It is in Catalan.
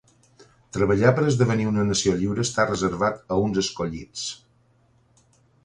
Treballar per esdevenir una nació lliure està reservat a uns escollits.